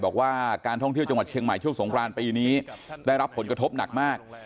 บอกว่าการท่องเที่ยวจังหวัดเชียงใหม่ช่วงสงครานปีนี้ได้รับผลกระทบหนักมาก